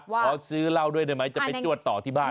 ขอซื้อเหล้าด้วยได้ไหมจะไปจวดต่อที่บ้าน